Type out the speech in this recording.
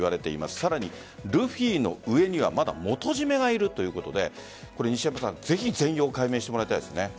さらにルフィの上にはまだ元締めがいるということでぜひ全容解明してもらいたいですね。